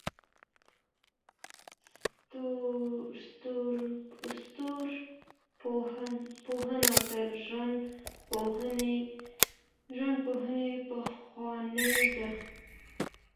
ستورپوهنه تر ژوندپوهنې پخوانۍ ده.